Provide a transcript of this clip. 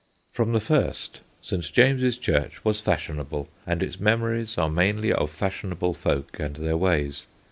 From the first St. James's Church was fashionable, and its memories are mainly of fashionable folk and their ways.